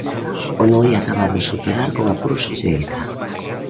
O Noia acaba de superar con apuros o Lleida.